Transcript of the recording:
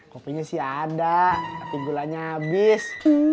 kopinya sih ada tapi gulanya habis